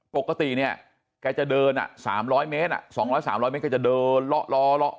ปกติแกจะเดิน๓๐๐เมตร๒๐๐๓๐๐เมตรก็จะเดินละละละ